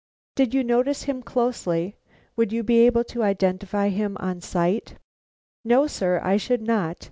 "Did you notice him closely? Would you be able to identify him on sight?" "No, sir, I should not.